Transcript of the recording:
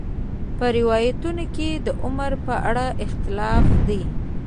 په روایاتو کې د عمر په اړه اختلاف دی.